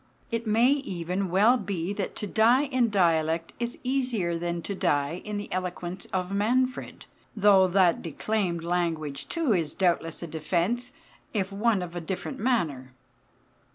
It may even well be that to die in dialect is easier than to die in the eloquence of Manfred, though that declaimed language, too, is doubtless a defence, if one of a different manner.